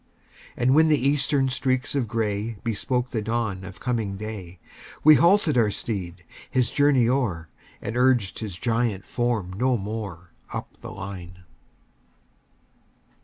And when the Eastern streaks of gray Bespoke the dawn of coming day, We halted our steed, his journey o'er, And urged his giant form no more, Up the line.